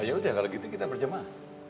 yaudah kalo gitu kita perjemah